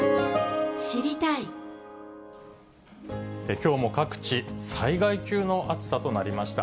きょうも各地、災害級の暑さとなりました。